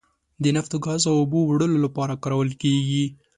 د نفتو، ګازو او اوبو وړلو لپاره کارول کیږي.